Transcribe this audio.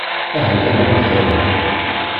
Aha kan a bu-tlawin!